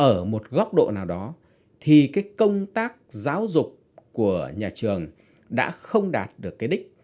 và trách nhiệm của nhà trường đến đâu rõ ràng ở một góc độ nào đó thì cái công tác giáo dục của nhà trường đã không đạt được cái đích